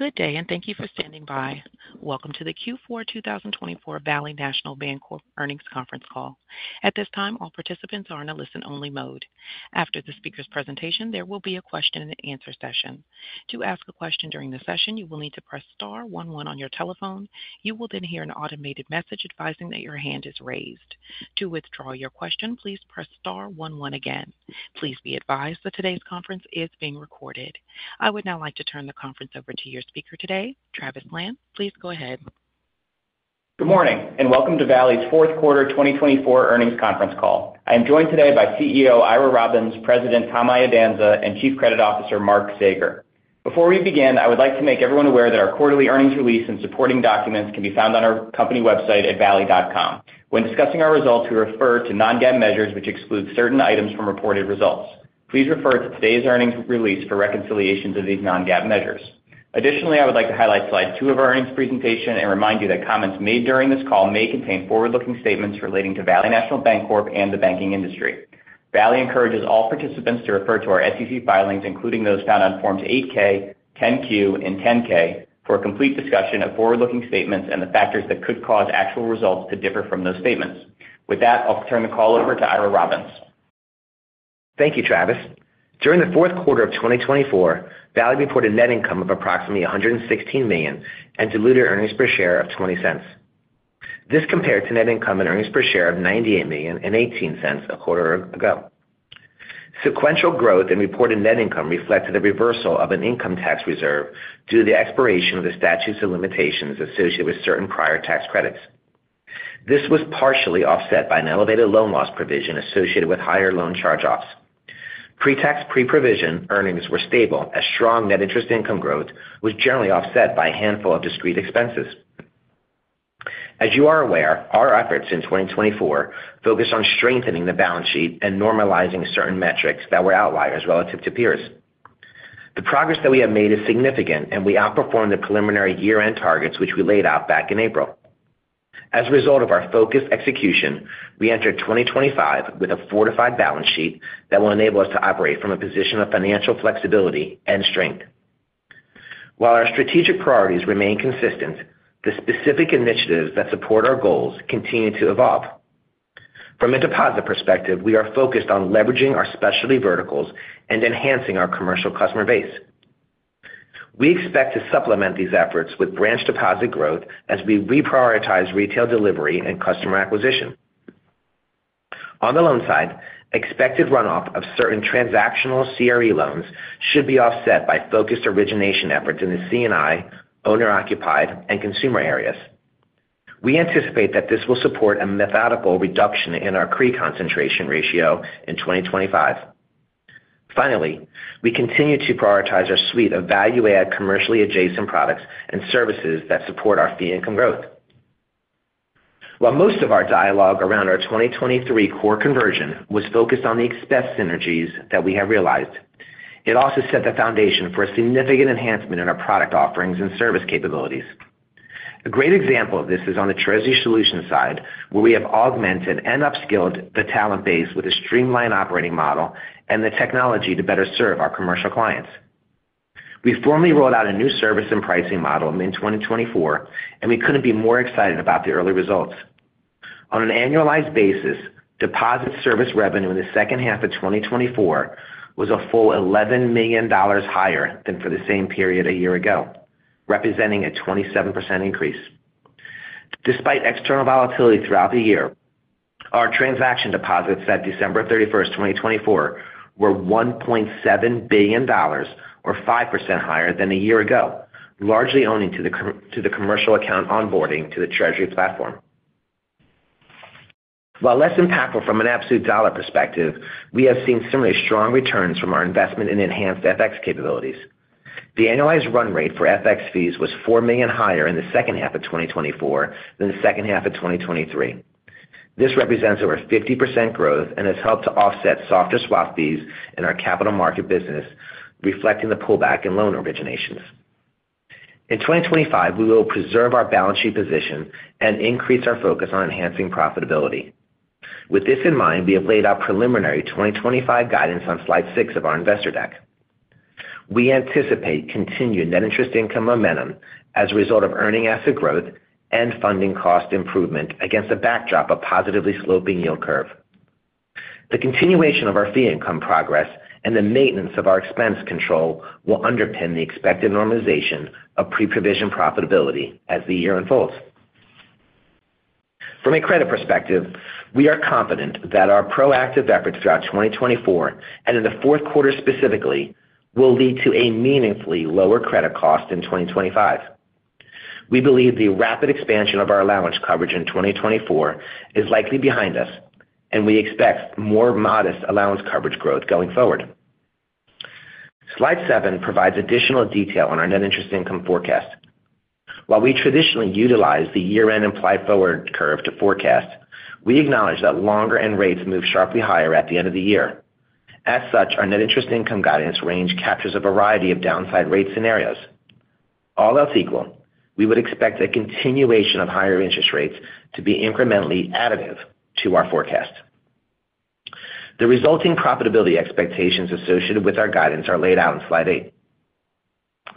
Good day, and thank you for standing by. Welcome to the Q4 2024 Valley National Bancorp Earnings Conference Call. At this time, all participants are in a listen-only mode. After the speaker's presentation, there will be a question-and-answer session. To ask a question during the session, you will need to press star one on your telephone. You will then hear an automated message advising that your hand is raised. To withdraw your question, please press star one again. Please be advised that today's conference is being recorded. I would now like to turn the conference over to your speaker today, Travis Lan. Please go ahead. Good morning, and welcome to Valley's fourth quarter 2024 earnings conference call. I am joined today by CEO Ira Robbins, President Tom Iadanza, and Chief Credit Officer Mark Saeger. Before we begin, I would like to make everyone aware that our quarterly earnings release and supporting documents can be found on our company website at valley.com. When discussing our results, we refer to non-GAAP measures, which exclude certain items from reported results. Please refer to today's earnings release for reconciliations of these non-GAAP measures. Additionally, I would like to highlight slide two of our earnings presentation and remind you that comments made during this call may contain forward-looking statements relating to Valley National Bancorp and the banking industry. Valley encourages all participants to refer to our SEC filings, including those found on Forms 8-K, 10-Q, and 10-K, for a complete discussion of forward-looking statements and the factors that could cause actual results to differ from those statements. With that, I'll turn the call over to Ira Robbins. Thank you, Travis. During the fourth quarter of 2024, Valley reported net income of approximately $116 million and delivered earnings per share of $0.20. This compared to net income and earnings per share of $98 million and $0.18 a quarter ago. Sequential growth in reported net income reflects the reversal of an income tax reserve due to the expiration of the statutes of limitations associated with certain prior tax credits. This was partially offset by an elevated loan loss provision associated with higher loan charge-offs. Pre-tax pre-provision earnings were stable, as strong net interest income growth was generally offset by a handful of discrete expenses. As you are aware, our efforts in 2024 focused on strengthening the balance sheet and normalizing certain metrics that were outliers relative to peers. The progress that we have made is significant, and we outperformed the preliminary year-end targets which we laid out back in April. As a result of our focused execution, we entered 2025 with a fortified balance sheet that will enable us to operate from a position of financial flexibility and strength. While our strategic priorities remain consistent, the specific initiatives that support our goals continue to evolve. From a deposit perspective, we are focused on leveraging our specialty verticals and enhancing our commercial customer base. We expect to supplement these efforts with branch deposit growth as we reprioritize retail delivery and customer acquisition. On the loan side, expected runoff of certain transactional CRE loans should be offset by focused origination efforts in the C&I, owner-occupied, and consumer areas. We anticipate that this will support a methodical reduction in our CRE concentration ratio in 2025. Finally, we continue to prioritize our suite of value-added commercially adjacent products and services that support our fee income growth. While most of our dialogue around our 2023 core conversion was focused on the expense synergies that we have realized, it also set the foundation for a significant enhancement in our product offerings and service capabilities. A great example of this is on the Treasury Solutions side, where we have augmented and upskilled the talent base with a streamlined operating model and the technology to better serve our commercial clients. We formally rolled out a new service and pricing model in 2024, and we couldn't be more excited about the early results. On an annualized basis, deposit service revenue in the second half of 2024 was a full $11 million higher than for the same period a year ago, representing a 27% increase. Despite external volatility throughout the year, our transaction deposits at December 31st, 2024, were $1.7 billion, or 5% higher than a year ago, largely owing to the commercial account onboarding to the Treasury platform. While less impactful from an absolute dollar perspective, we have seen some really strong returns from our investment in enhanced FX capabilities. The annualized run rate for FX fees was $4 million higher in the second half of 2024 than the second half of 2023. This represents over 50% growth and has helped to offset softer swap fees in our capital market business, reflecting the pullback in loan originations. In 2025, we will preserve our balance sheet position and increase our focus on enhancing profitability. With this in mind, we have laid out preliminary 2025 guidance on slide six of our investor deck. We anticipate continued net interest income momentum as a result of earning asset growth and funding cost improvement against a backdrop of positively sloping yield curve. The continuation of our fee income progress and the maintenance of our expense control will underpin the expected normalization of pre-provision profitability as the year unfolds. From a credit perspective, we are confident that our proactive efforts throughout 2024 and in the fourth quarter specifically will lead to a meaningfully lower credit cost in 2025. We believe the rapid expansion of our allowance coverage in 2024 is likely behind us, and we expect more modest allowance coverage growth going forward. Slide seven provides additional detail on our net interest income forecast. While we traditionally utilize the year-end implied forward curve to forecast, we acknowledge that longer-end rates move sharply higher at the end of the year. As such, our net interest income guidance range captures a variety of downside rate scenarios. All else equal, we would expect a continuation of higher interest rates to be incrementally additive to our forecast. The resulting profitability expectations associated with our guidance are laid out in Slide eight.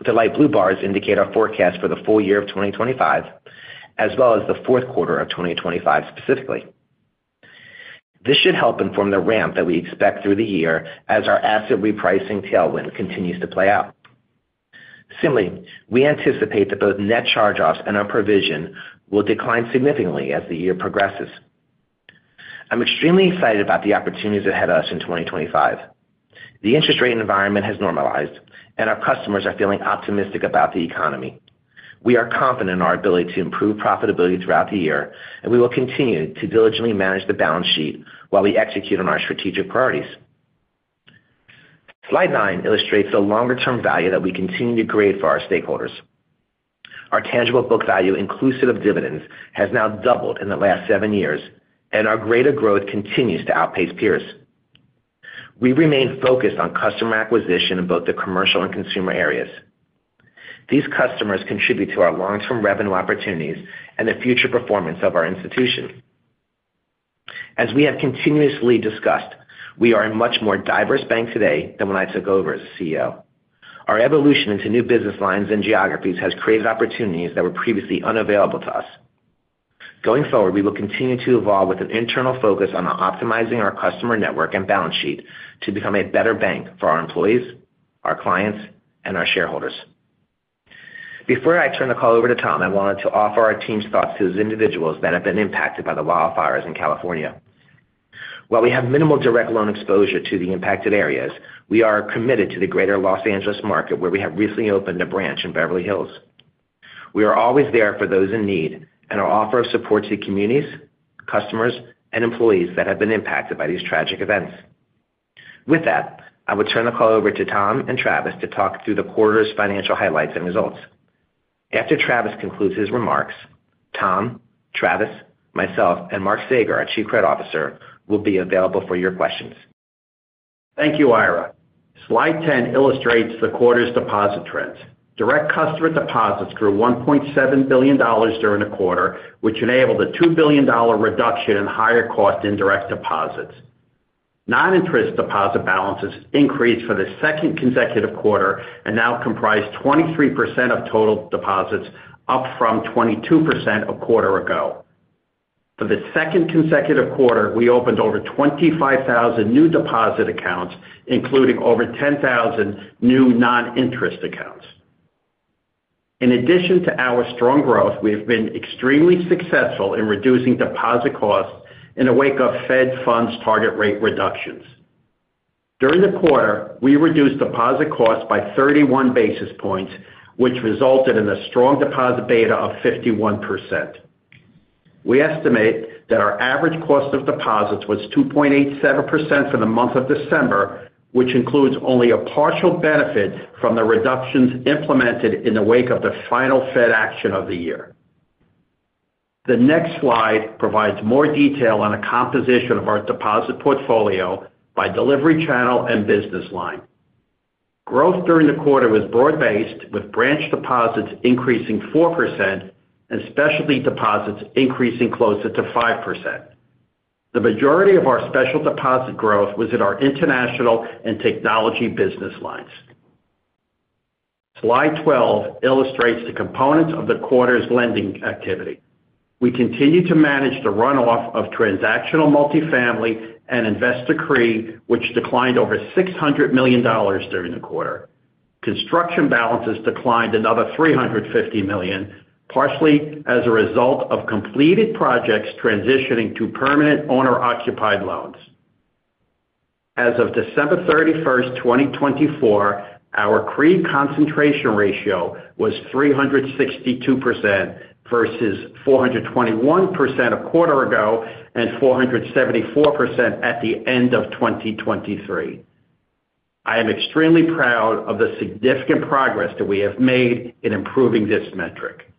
The light blue bars indicate our forecast for the full year of 2025, as well as the fourth quarter of 2025 specifically. This should help inform the ramp that we expect through the year as our asset repricing tailwind continues to play out. Similarly, we anticipate that both net charge-offs and our provision will decline significantly as the year progresses. I'm extremely excited about the opportunities ahead of us in 2025. The interest rate environment has normalized, and our customers are feeling optimistic about the economy. We are confident in our ability to improve profitability throughout the year, and we will continue to diligently manage the balance sheet while we execute on our strategic priorities. Slide nine illustrates the longer-term value that we continue to create for our stakeholders. Our tangible book value, inclusive of dividends, has now doubled in the last seven years, and our greater growth continues to outpace peers. We remain focused on customer acquisition in both the commercial and consumer areas. These customers contribute to our long-term revenue opportunities and the future performance of our institution. As we have continuously discussed, we are a much more diverse bank today than when I took over as a CEO. Our evolution into new business lines and geographies has created opportunities that were previously unavailable to us. Going forward, we will continue to evolve with an internal focus on optimizing our customer network and balance sheet to become a better bank for our employees, our clients, and our shareholders. Before I turn the call over to Tom, I wanted to offer our team's thoughts to those individuals that have been impacted by the wildfires in California. While we have minimal direct loan exposure to the impacted areas, we are committed to the greater Los Angeles market, where we have recently opened a branch in Beverly Hills. We are always there for those in need and our offer of support to the communities, customers, and employees that have been impacted by these tragic events. With that, I will turn the call over to Tom and Travis to talk through the quarter's financial highlights and results. After Travis concludes his remarks, Tom, Travis, myself, and Mark Saeger, our Chief Credit Officer, will be available for your questions. Thank you, Ira. Slide 10 illustrates the quarter's deposit trends. Direct customer deposits grew $1.7 billion during the quarter, which enabled a $2 billion reduction in higher-cost indirect deposits. Non-interest deposit balances increased for the second consecutive quarter and now comprise 23% of total deposits, up from 22% a quarter ago. For the second consecutive quarter, we opened over 25,000 new deposit accounts, including over 10,000 new non-interest accounts. In addition to our strong growth, we have been extremely successful in reducing deposit costs in the wake of Fed funds target rate reductions. During the quarter, we reduced deposit costs by 31 basis points, which resulted in a strong deposit beta of 51%. We estimate that our average cost of deposits was 2.87% for the month of December, which includes only a partial benefit from the reductions implemented in the wake of the final Fed action of the year. The next slide provides more detail on the composition of our deposit portfolio by delivery channel and business line. Growth during the quarter was broad-based, with branch deposits increasing four% and specialty deposits increasing closer to five%. The majority of our special deposit growth was in our international and technology business lines. Slide 12 illustrates the components of the quarter's lending activity. We continue to manage the runoff of transactional multifamily and investor CRE, which declined over $600 million during the quarter. Construction balances declined another $350 million, partially as a result of completed projects transitioning to permanent owner-occupied loans. As of December 31st, 2024, our CRE concentration ratio was 362% versus 421% a quarter ago and 474% at the end of 2023. I am extremely proud of the significant progress that we have made in improving this metric.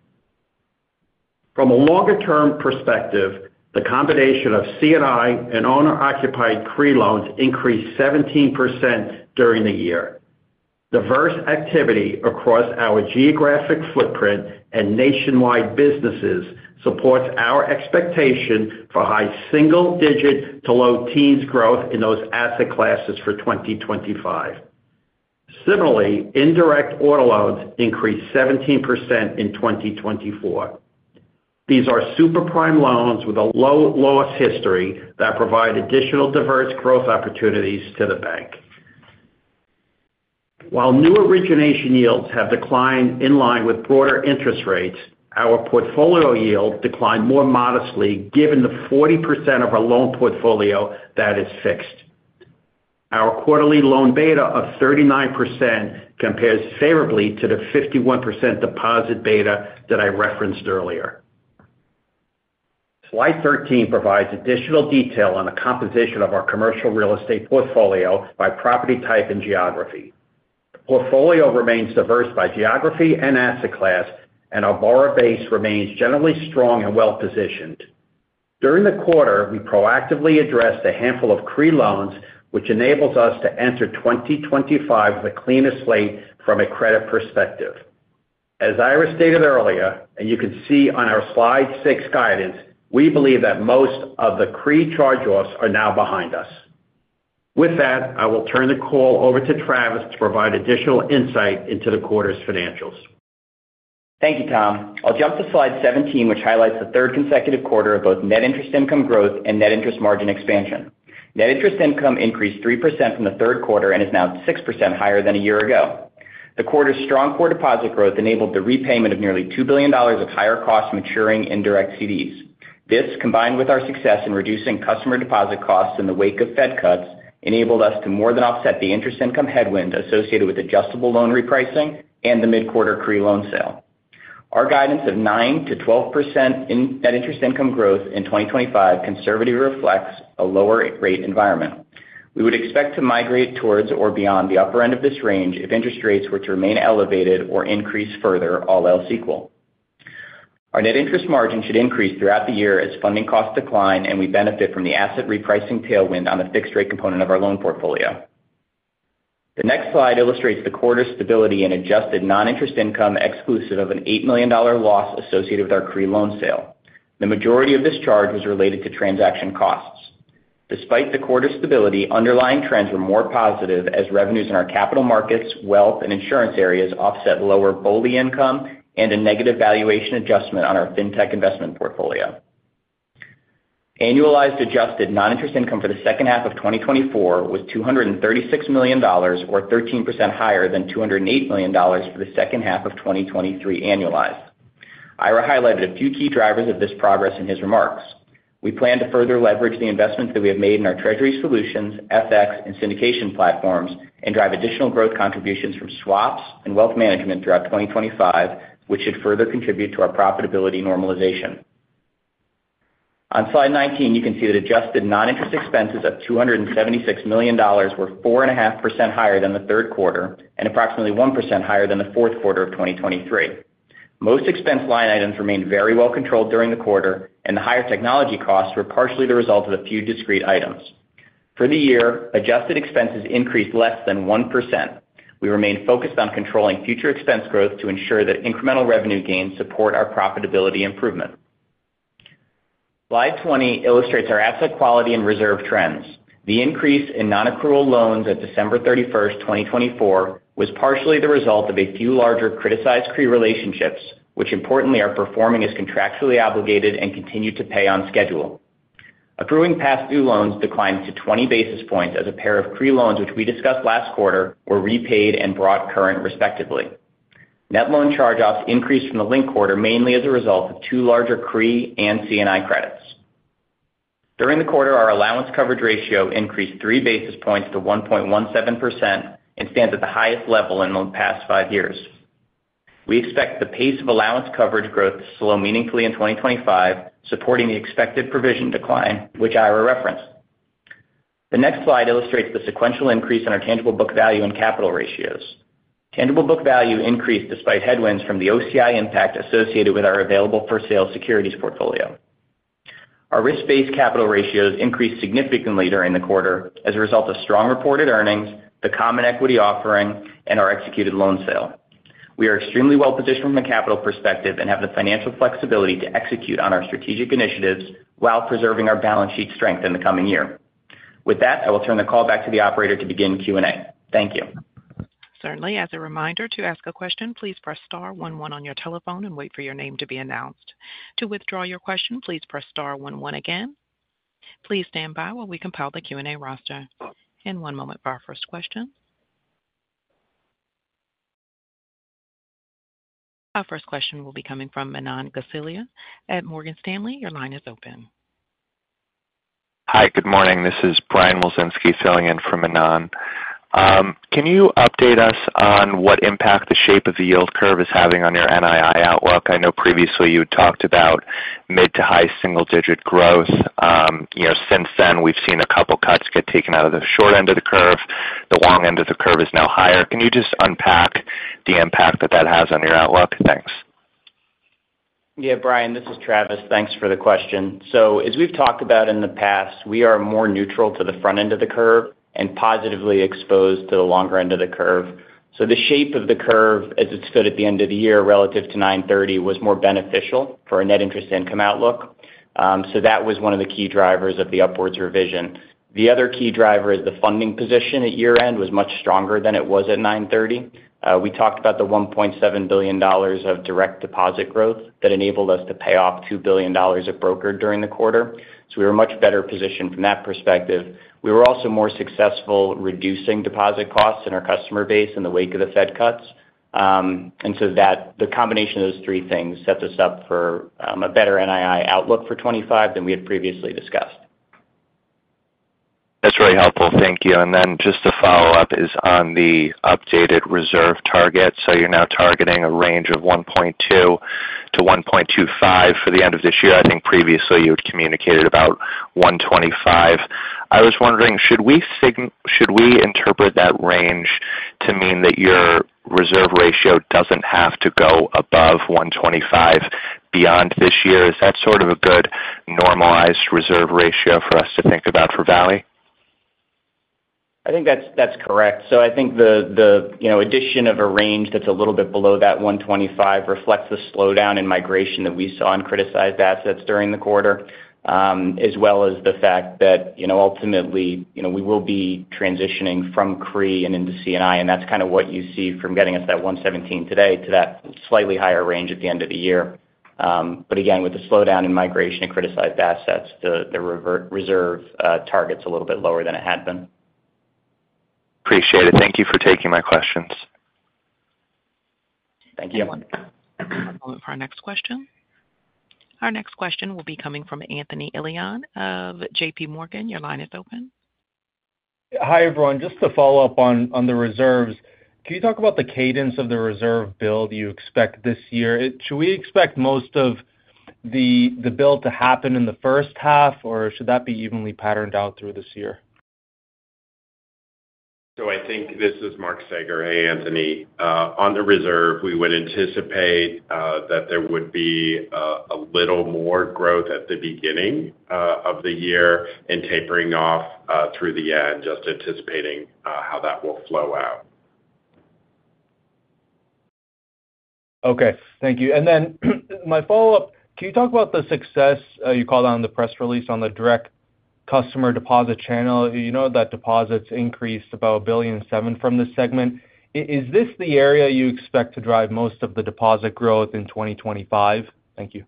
From a longer-term perspective, the combination of C&I and owner-occupied CRE loans increased 17% during the year. Diverse activity across our geographic footprint and nationwide businesses supports our expectation for high single-digit to low teens growth in those asset classes for 2025. Similarly, indirect auto loans increased 17% in 2024. These are super prime loans with a low loss history that provide additional diverse growth opportunities to the bank. While new origination yields have declined in line with broader interest rates, our portfolio yield declined more modestly given the 40% of our loan portfolio that is fixed. Our quarterly loan beta of 39% compares favorably to the 51% deposit beta that I referenced earlier. Slide 13 provides additional detail on the composition of our commercial real estate portfolio by property type and geography. The portfolio remains diverse by geography and asset class, and our borrower base remains generally strong and well-positioned. During the quarter, we proactively addressed a handful of CRE loans, which enables us to enter 2025 with a cleaner slate from a credit perspective. As Ira stated earlier, and you can see on our slide six guidance, we believe that most of the CRE charge-offs are now behind us. With that, I will turn the call over to Travis to provide additional insight into the quarter's financials. Thank you, Tom. I'll jump to slide 17, which highlights the third consecutive quarter of both net interest income growth and net interest margin expansion. Net interest income increased 3% from the third quarter and is now 6% higher than a year ago. The quarter's strong core deposit growth enabled the repayment of nearly $2 billion of higher-cost maturing indirect CDs. This, combined with our success in reducing customer deposit costs in the wake of Fed cuts, enabled us to more than offset the interest income headwind associated with adjustable loan repricing and the mid-quarter CRE loan sale. Our guidance of 9%-12% net interest income growth in 2025 conservatively reflects a lower-rate environment. We would expect to migrate towards or beyond the upper end of this range if interest rates were to remain elevated or increase further, all else equal. Our net interest margin should increase throughout the year as funding costs decline, and we benefit from the asset repricing tailwind on the fixed-rate component of our loan portfolio. The next slide illustrates the quarter's stability in adjusted non-interest income exclusive of an $8 million loss associated with our CRE loan sale. The majority of this charge was related to transaction costs. Despite the quarter's stability, underlying trends were more positive as revenues in our capital markets, wealth, and insurance areas offset lower BOLI income and a negative valuation adjustment on our fintech investment portfolio. Annualized adjusted non-interest income for the second half of 2024 was $236 million, or 13% higher than $208 million for the second half of 2023 annualized. Ira highlighted a few key drivers of this progress in his remarks. We plan to further leverage the investments that we have made in our Treasury solutions, FX, and syndication platforms and drive additional growth contributions from swaps and wealth management throughout 2025, which should further contribute to our profitability normalization. On slide 19, you can see that adjusted non-interest expenses of $276 million were 4.5% higher than the third quarter and approximately 1% higher than the fourth quarter of 2023. Most expense line items remained very well controlled during the quarter, and the higher technology costs were partially the result of a few discrete items. For the year, adjusted expenses increased less than 1%. We remain focused on controlling future expense growth to ensure that incremental revenue gains support our profitability improvement. Slide 20 illustrates our asset quality and reserve trends. The increase in non-accrual loans at December 31st, 2024, was partially the result of a few larger criticized CRE relationships, which importantly are performing as contractually obligated and continue to pay on schedule. Accruing past due loans declined to 20 basis points as a pair of CRE loans, which we discussed last quarter, were repaid and brought current, respectively. Net loan charge-offs increased from the linked quarter mainly as a result of two larger CRE and C&I credits. During the quarter, our allowance coverage ratio increased 3 basis points to 1.17% and stands at the highest level in the past five years. We expect the pace of allowance coverage growth to slow meaningfully in 2025, supporting the expected provision decline, which Ira referenced. The next slide illustrates the sequential increase in our tangible book value and capital ratios. Tangible Book Value increased despite headwinds from the OCI impact associated with our available-for-sale securities portfolio. Our risk-based capital ratios increased significantly during the quarter as a result of strong reported earnings, the common equity offering, and our executed loan sale. We are extremely well positioned from a capital perspective and have the financial flexibility to execute on our strategic initiatives while preserving our balance sheet strength in the coming year. With that, I will turn the call back to the operator to begin Q&A. Thank you. Certainly. As a reminder, to ask a question, please press star 11 on your telephone and wait for your name to be announced. To withdraw your question, please press star 11 again. Please stand by while we compile the Q&A roster, and one moment for our first question. Our first question will be coming from Manan Gosalia at Morgan Stanley. Your line is open. Hi, good morning. This is Brian Wilczynski filling in for Manan. Can you update us on what impact the shape of the yield curve is having on your NII outlook? I know previously you talked about mid to high single-digit growth. Since then, we've seen a couple of cuts get taken out of the short end of the curve. The long end of the curve is now higher. Can you just unpack the impact that that has on your outlook? Thanks. Yeah, Brian, this is Travis. Thanks for the question. So, as we've talked about in the past, we are more neutral to the front end of the curve and positively exposed to the longer end of the curve. So, the shape of the curve as it's fit at the end of the year relative to 930 was more beneficial for a net interest income outlook. So, that was one of the key drivers of the upwards revision. The other key driver is the funding position at year-end was much stronger than it was at 930. We talked about the $1.7 billion of direct deposit growth that enabled us to pay off $2 billion of brokered during the quarter. So, we were much better positioned from that perspective. We were also more successful reducing deposit costs in our customer base in the wake of the Fed cuts. And so, the combination of those three things sets us up for a better NII outlook for 2025 than we had previously discussed. That's really helpful. Thank you. And then just to follow up is on the updated reserve target. So, you're now targeting a range of 1.2-1.25 for the end of this year. I think previously you had communicated about 1.25. I was wondering, should we interpret that range to mean that your reserve ratio doesn't have to go above 1.25 beyond this year? Is that sort of a good normalized reserve ratio for us to think about for Valley? I think that's correct. So, I think the addition of a range that's a little bit below that 125 reflects the slowdown in migration that we saw in criticized assets during the quarter, as well as the fact that ultimately we will be transitioning from CRE and into C&I. And that's kind of what you see from getting us that 117 today to that slightly higher range at the end of the year. But again, with the slowdown in migration and criticized assets, the reserve target's a little bit lower than it had been. Appreciate it. Thank you for taking my questions. Thank you. One moment for our next question. Our next question will be coming from Anthony Elian of JPMorgan. Your line is open. Hi, everyone. Just to follow up on the reserves, can you talk about the cadence of the reserve build you expect this year? Should we expect most of the build to happen in the first half, or should that be evenly patterned out through this year? I think this is Mark Saeger. Hey, Anthony. On the reserve, we would anticipate that there would be a little more growth at the beginning of the year and tapering off through the end, just anticipating how that will flow out. Okay. Thank you. And then my follow-up, can you talk about the success you called on the press release on the direct customer deposit channel? You know that deposits increased about $1.7 billion from this segment. Is this the area you expect to drive most of the deposit growth in 2025? Thank you.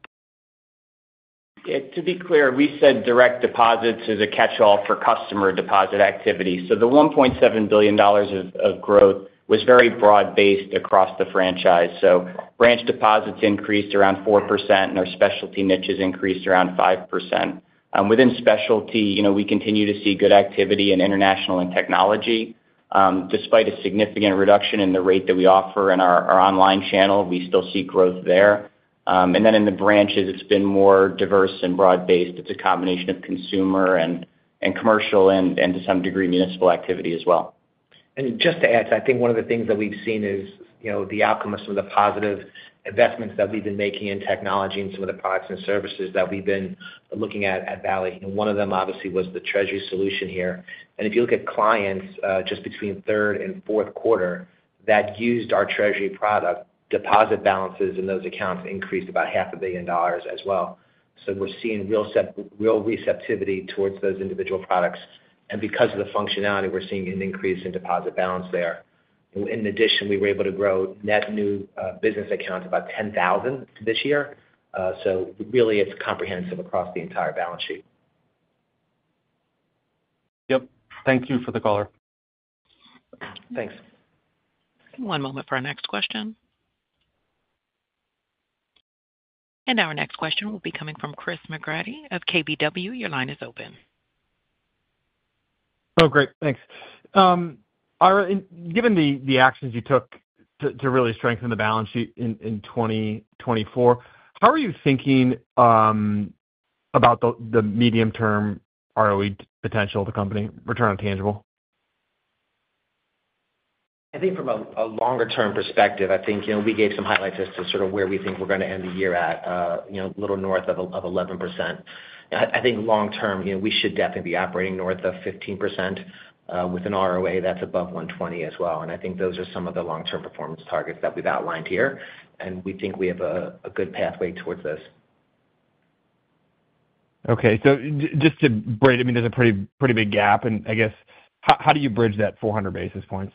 Yeah. To be clear, we said direct deposits is a catch-all for customer deposit activity. So, the $1.7 billion of growth was very broad-based across the franchise. So, branch deposits increased around 4%, and our specialty niches increased around 5%. Within specialty, we continue to see good activity in international and technology. Despite a significant reduction in the rate that we offer in our online channel, we still see growth there. And then in the branches, it's been more diverse and broad-based. It's a combination of consumer and commercial and, to some degree, municipal activity as well. And just to add, I think one of the things that we've seen is the outcome of some of the positive investments that we've been making in technology and some of the products and services that we've been looking at at Valley. One of them obviously was the Treasury solution here. And if you look at clients just between third and fourth quarter that used our Treasury product, deposit balances in those accounts increased about $500 million as well. So, we're seeing real receptivity towards those individual products. And because of the functionality, we're seeing an increase in deposit balance there. In addition, we were able to grow net new business accounts about 10,000 this year. So, really, it's comprehensive across the entire balance sheet. Yep. Thank you for the color. Thanks. One moment for our next question. And our next question will be coming from Chris McGratty of KBW. Your line is open. Oh, great. Thanks. Ira, given the actions you took to really strengthen the balance sheet in 2024, how are you thinking about the medium-term ROE potential of the company, return on tangible? I think from a longer-term perspective, I think we gave some highlights as to sort of where we think we're going to end the year at, a little north of 11%. I think long-term, we should definitely be operating north of 15% with an ROA that's above 120 as well. And I think those are some of the long-term performance targets that we've outlined here. And we think we have a good pathway towards this. Okay, so just to break it, I mean, there's a pretty big gap, and I guess, how do you bridge that 400 basis points?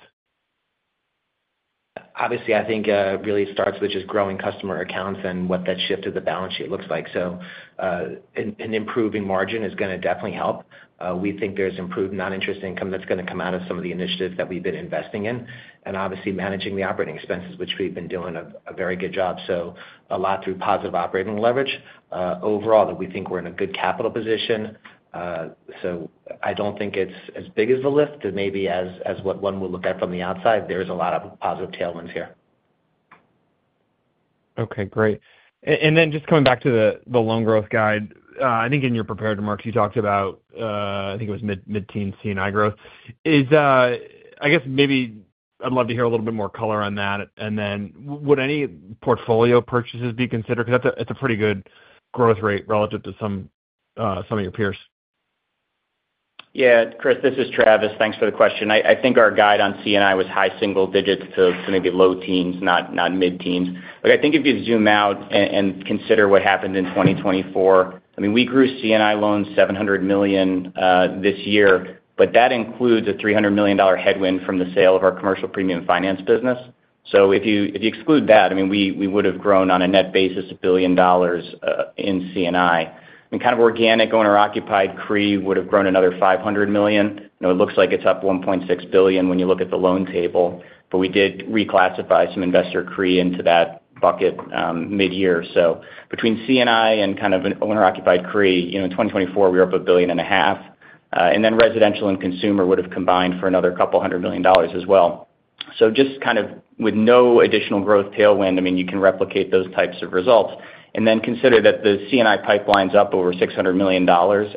Obviously, I think it really starts with just growing customer accounts and what that shift of the balance sheet looks like. So, an improving margin is going to definitely help. We think there's improved non-interest income that's going to come out of some of the initiatives that we've been investing in. And obviously, managing the operating expenses, which we've been doing a very good job, so a lot through positive operating leverage. Overall, we think we're in a good capital position. So, I don't think it's as big as the lift as maybe as what one would look at from the outside. There's a lot of positive tailwinds here. Okay. Great. And then just coming back to the loan growth guide, I think in your prepared remarks, you talked about, I think it was mid-teens C&I growth. I guess maybe I'd love to hear a little bit more color on that. And then would any portfolio purchases be considered? Because that's a pretty good growth rate relative to some of your peers. Yeah. Chris, this is Travis. Thanks for the question. I think our guide on C&I was high single digits to maybe low teens, not mid-teens. But I think if you zoom out and consider what happened in 2024, I mean, we grew C&I loans $700 million this year, but that includes a $300 million headwind from the sale of our commercial premium finance business. So, if you exclude that, I mean, we would have grown on a net basis $1 billion in C&I. I mean, kind of organic owner-occupied CRE would have grown another $500 million. It looks like it's up $1.6 billion when you look at the loan table. But we did reclassify some investor CRE into that bucket mid-year. So, between C&I and kind of owner-occupied CRE, in 2024, we were up $1.5 billion. And then residential and consumer would have combined for another couple $100 million as well. So, just kind of with no additional growth tailwind, I mean, you can replicate those types of results. And then consider that the C&I pipeline's up over $600 million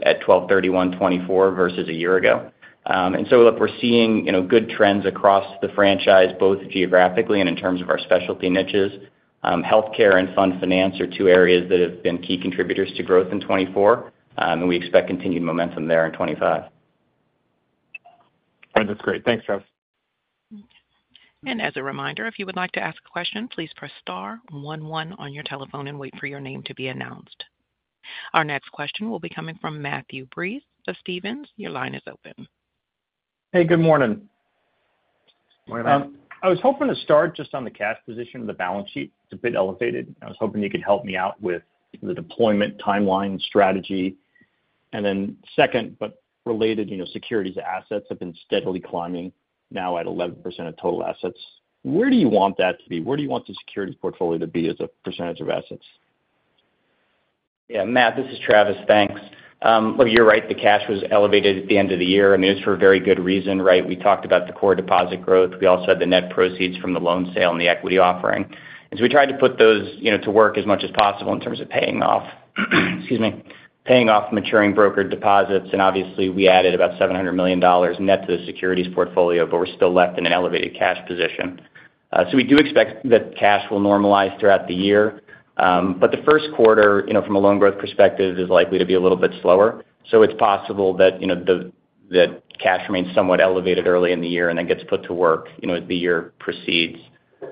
at 12/31/2024 versus a year ago. And so, look, we're seeing good trends across the franchise, both geographically and in terms of our specialty niches. Healthcare and fund finance are two areas that have been key contributors to growth in 2024. And we expect continued momentum there in 2025. That's great. Thanks, Travis. And as a reminder, if you would like to ask a question, please press star 11 on your telephone and wait for your name to be announced. Our next question will be coming from Matthew Breese of Stephens. Your line is open. Hey, good morning. Morning, Matt. I was hoping to start just on the cash position of the balance sheet. It's a bit elevated. I was hoping you could help me out with the deployment timeline strategy. And then second, but related, securities assets have been steadily climbing now at 11% of total assets. Where do you want that to be? Where do you want the securities portfolio to be as a percentage of assets? Yeah. Matt, this is Travis. Thanks. Look, you're right. The cash was elevated at the end of the year. I mean, it's for a very good reason, right? We talked about the core deposit growth. We also had the net proceeds from the loan sale and the equity offering. And so, we tried to put those to work as much as possible in terms of paying off, excuse me, paying off maturing brokered deposits. And obviously, we added about $700 million net to the securities portfolio, but we're still left in an elevated cash position. So, we do expect that cash will normalize throughout the year. But the first quarter, from a loan growth perspective, is likely to be a little bit slower. So, it's possible that cash remains somewhat elevated early in the year and then gets put to work as the year proceeds.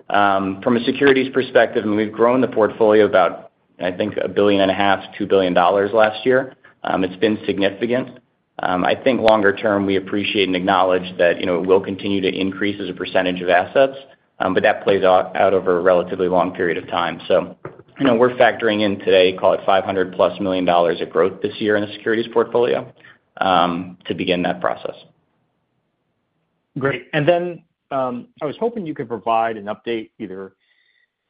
From a securities perspective, I mean, we've grown the portfolio about, I think, $1.5 billion-$2 billion last year. It's been significant. I think longer term, we appreciate and acknowledge that it will continue to increase as a percentage of assets, but that plays out over a relatively long period of time. So, we're factoring in today, call it $500+ million of growth this year in the securities portfolio to begin that process. Great. And then I was hoping you could provide an update either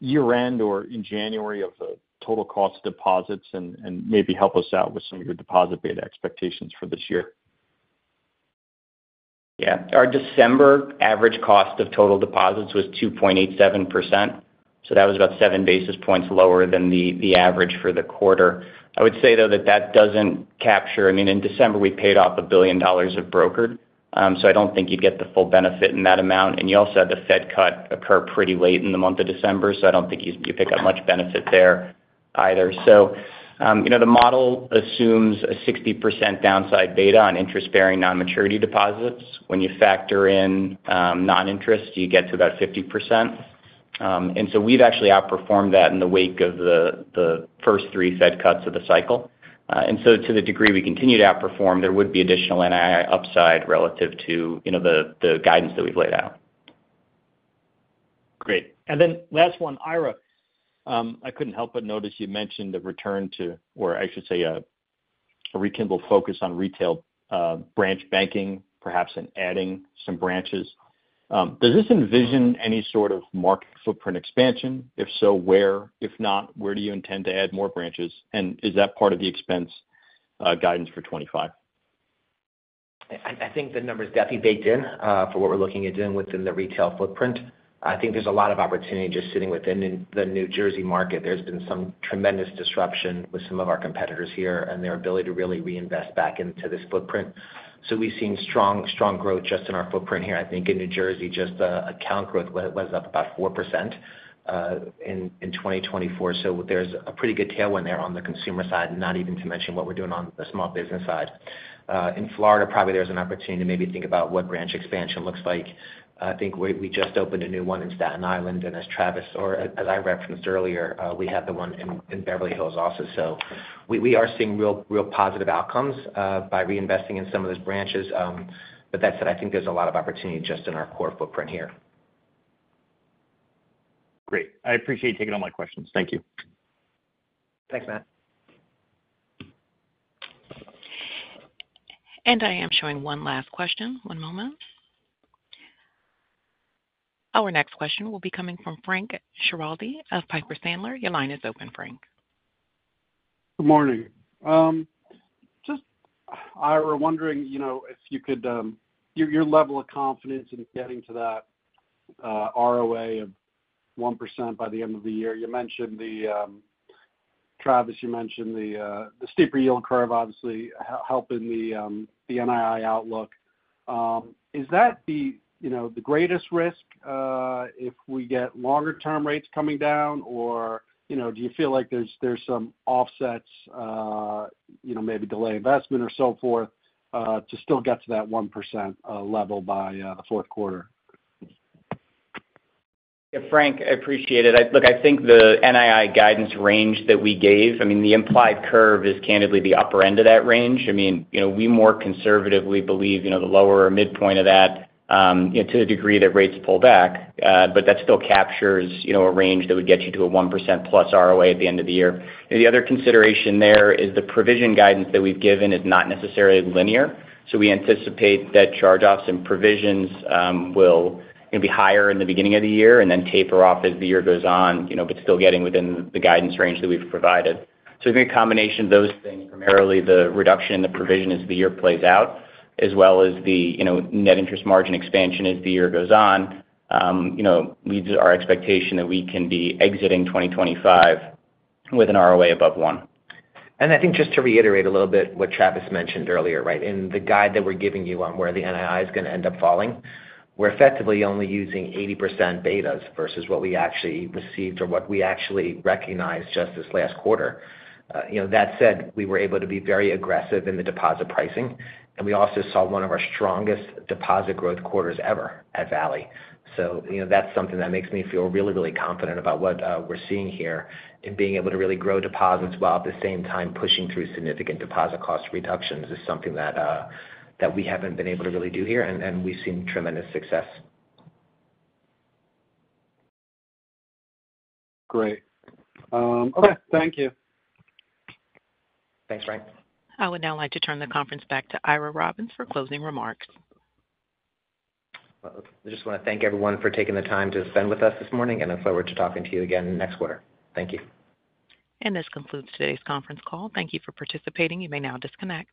year-end or in January of the total cost of deposits and maybe help us out with some of your deposit beta expectations for this year. Yeah. Our December average cost of total deposits was 2.87%. So, that was about seven basis points lower than the average for the quarter. I would say, though, that that doesn't capture I mean, in December, we paid off $1 billion of brokered. So, I don't think you'd get the full benefit in that amount. And you also had the Fed cut occur pretty late in the month of December. So, I don't think you pick up much benefit there either. So, the model assumes a 60% downside beta on interest-bearing non-maturity deposits. When you factor in non-interest, you get to about 50%. And so, we've actually outperformed that in the wake of the first three Fed cuts of the cycle. And so, to the degree we continue to outperform, there would be additional NII upside relative to the guidance that we've laid out. Great, and then last one, Ira. I couldn't help but notice you mentioned a return to, or I should say, a rekindled focus on retail branch banking, perhaps in adding some branches. Does this envision any sort of market footprint expansion? If so, where? If not, where do you intend to add more branches? And is that part of the expense guidance for 2025? I think the number is definitely baked in for what we're looking at doing within the retail footprint. I think there's a lot of opportunity just sitting within the New Jersey market. There's been some tremendous disruption with some of our competitors here and their ability to really reinvest back into this footprint. So, we've seen strong growth just in our footprint here. I think in New Jersey, just account growth was up about 4% in 2024. So, there's a pretty good tailwind there on the consumer side, not even to mention what we're doing on the small business side. In Florida, probably there's an opportunity to maybe think about what branch expansion looks like. I think we just opened a new one in Staten Island, and as Travis or as I referenced earlier, we have the one in Beverly Hills also. So, we are seeing real positive outcomes by reinvesting in some of those branches. But that said, I think there's a lot of opportunity just in our core footprint here. Great. I appreciate you taking all my questions. Thank you. Thanks, Matt. I am showing one last question. One moment. Our next question will be coming from Frank Schiraldi of Piper Sandler. Your line is open, Frank. Good morning. Just, Ira, wondering if you could your level of confidence in getting to that ROA of 1% by the end of the year? You mentioned, Travis, you mentioned the steeper yield curve, obviously helping the NII outlook. Is that the greatest risk if we get longer-term rates coming down? Or do you feel like there's some offsets, maybe delay investment or so forth, to still get to that 1% level by the fourth quarter? Yeah. Frank, I appreciate it. Look, I think the NII guidance range that we gave, I mean, the implied curve is candidly the upper end of that range. I mean, we more conservatively believe the lower or midpoint of that to the degree that rates pull back. But that still captures a range that would get you to a 1% plus ROA at the end of the year. The other consideration there is the provision guidance that we've given is not necessarily linear. So, we anticipate that charge-offs and provisions will be higher in the beginning of the year and then taper off as the year goes on, but still getting within the guidance range that we've provided. I think a combination of those things, primarily the reduction in the provision as the year plays out, as well as the net interest margin expansion as the year goes on, leads our expectation that we can be exiting 2025 with an ROA above one. I think just to reiterate a little bit what Travis mentioned earlier, right? In the guide that we're giving you on where the NII is going to end up falling, we're effectively only using 80% betas versus what we actually received or what we actually recognized just this last quarter. That said, we were able to be very aggressive in the deposit pricing. We also saw one of our strongest deposit growth quarters ever at Valley. That's something that makes me feel really, really confident about what we're seeing here in being able to really grow deposits while at the same time pushing through significant deposit cost reductions is something that we haven't been able to really do here. We've seen tremendous success. Great. Okay. Thank you. Thanks, Frank. I would now like to turn the conference back to Ira Robbins for closing remarks. I just want to thank everyone for taking the time to spend with us this morning. And I look forward to talking to you again next quarter. Thank you. This concludes today's conference call. Thank you for participating. You may now disconnect.